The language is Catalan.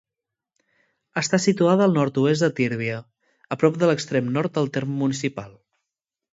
Està situada al nord-oest de Tírvia, a prop de l'extrem nord del terme municipal.